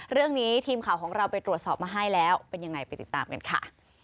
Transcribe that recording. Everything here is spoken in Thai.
เรื่องนี้ทีมข่าวของเราไปตรวจสอบมาให้แล้วเป็นยังไงไปติดตามกันค่ะ